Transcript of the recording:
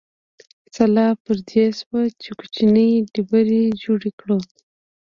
سلا پر دې شوه چې کوچنۍ ډبرې جوړې کړو.